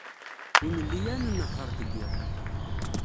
Ur nelli ara nnehheṛ deg yiḍ.